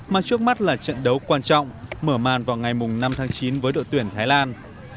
mà trước mắt là trận đấu quan trọng mở màn vào ngày năm tháng chín với đội tuyển thái lan